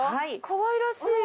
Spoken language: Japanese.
かわいらしい。